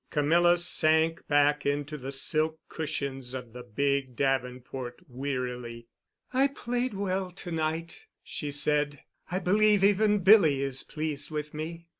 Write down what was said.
Camilla sank back into the silk cushions of the big davenport wearily. "I played well to night," she said; "I believe even Billy is pleased with me.